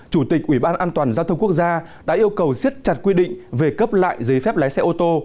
chủ tịch ủy ban an toàn giao thông quốc gia đã yêu cầu siết chặt quy định về cấp lại giấy phép lái xe ô tô